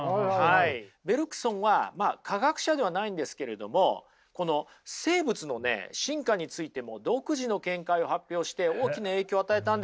ベルクソンは科学者ではないんですけれどもこの生物のね進化についても独自の見解を発表して大きな影響を与えたんですよ。